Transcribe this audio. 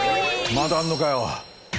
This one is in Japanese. まだあんのかよ。